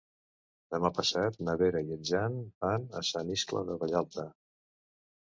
Demà passat na Vera i en Jan van a Sant Iscle de Vallalta.